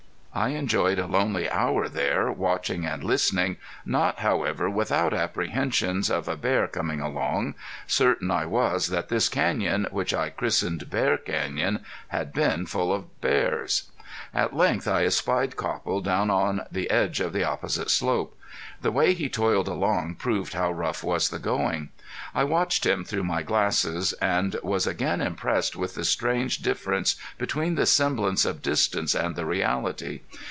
I enjoyed a lonely hour there watching and listening, not however without apprehensions of a bear coming along. Certain I was that this canyon, which I christened Bear Canyon, had been full of bears. At length I espied Copple down on the edge of the opposite slope. The way he toiled along proved how rough was the going. I watched him through my glasses, and was again impressed with the strange difference between the semblance of distance and the reality.